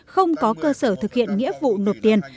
không có cơ sở thực hiện nghĩa vụ nộp tiền